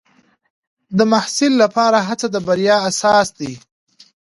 د محصل لپاره هڅه د بریا اساس دی.